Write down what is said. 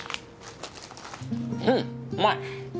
うんうまい！